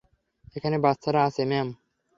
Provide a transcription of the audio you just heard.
এখানে বাচ্চারা আছে, ম্যাম।